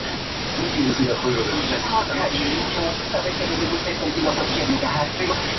Algunos miembros clave de Crytek se separaron para formar Pumpkin Beach.